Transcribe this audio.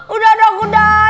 udah dong udah